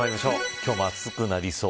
今日も暑くなりそう。